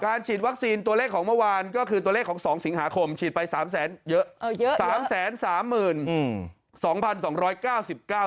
ฉีดวัคซีนตัวเลขของเมื่อวานก็คือตัวเลขของสองสิงหาคมฉีดไป๓แสนเยอะ๓๓๙๙บาท